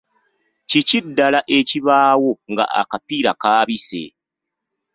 Kiki ddala ekibaawo nga akapiira kaabise?